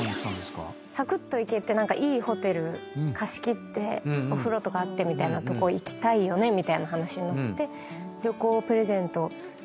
さくっと行けていいホテル貸し切ってお風呂とかあってみたいなとこ行きたいねみたいな話になって旅行をプレゼントしたのが結構思い出深い。